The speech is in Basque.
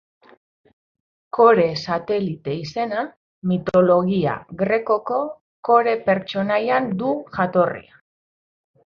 Kore satelite-izena mitologia grekoko Kore pertsonaian du jatorria.